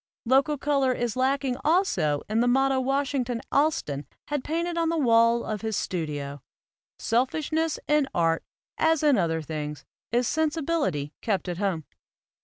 Local color is lacking also in the motto Wash ington Allston had painted on the wall of his studio: "Selfishness in art, as in other things, is sensibility kept at home."